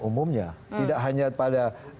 umumnya tidak hanya pada